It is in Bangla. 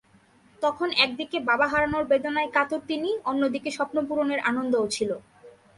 তখন একদিকে বাবাকে হারানোর বেদনায় কাতর তিনি, অন্য দিকে স্বপ্নপূরণের আনন্দও ছিল।